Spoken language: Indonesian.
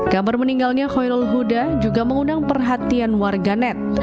gambar meninggalnya hoyrul huda juga mengundang perhatian warga net